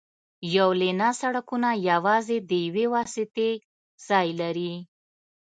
یو لینه سړکونه یوازې د یوې واسطې ځای لري